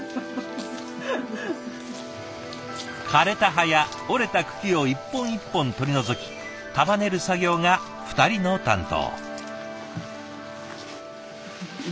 枯れた葉や折れた茎を一本一本取り除き束ねる作業が２人の担当。